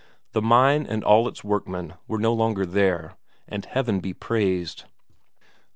The mine and all its workmen were no longer there and Heaven be praised.